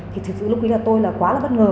thì thực sự lúc ý là tôi là quá là bất ngờ